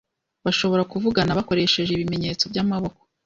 Bashobora kuvugana bakoresheje ibimenyetso byamaboko.